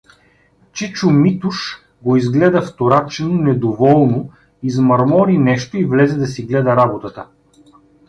Чичо Митуш го изгледа вторачено, недоволно, измърмори нещо и влезе да си гледа работата.